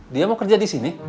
dia mau kerja disini